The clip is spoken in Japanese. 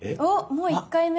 もう１回目？